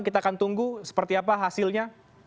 kita akan tunggu seperti apa hasilnya